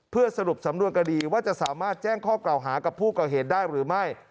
เพื่อสรุปสำนวนคดีว่าจะสามารถแจ้งข้อกล่าวหากับผู้ก่อเหตุได้หรือไม่